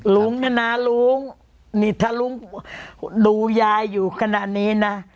ลุงเนี่ยนะลุงนี่ถ้าลุงดูยายอยู่ขนาดนี้นะ